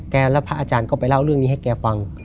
แล้วพระอาจารย์ก็ไปเล่าเรื่องนี้ให้แกฟัง